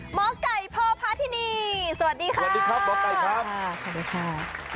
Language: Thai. หมอไก่พอภาธินีสวัสดีค่ะสวัสดีครับหมอไก่ครับ